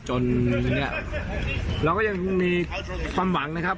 จนเนี่ยเราก็ยังมีความหวังนะครับ